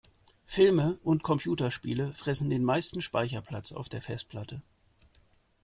Filme und Computerspiele fressen den meisten Speicherplatz auf der Festplatte.